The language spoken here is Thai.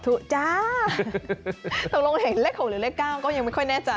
ตกลงเห็นเลข๖หรือเลข๙ก็ยังไม่ค่อยแน่ใจ